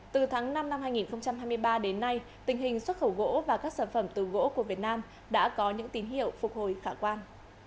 từ tháng năm năm hai nghìn hai mươi ba đến nay tình hình xuất khẩu gỗ và các sản phẩm từ gỗ của việt nam đã có những tín hiệu phục hồi khả quan